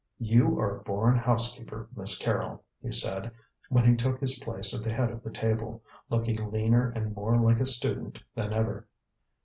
"You are a born housekeeper, Miss Carrol," he said, when he took his place at the head of the table, looking leaner and more like a student than ever.